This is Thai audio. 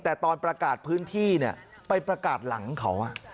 แต่ตอนประกาศพื้นที่ไปประกาศหลังเขา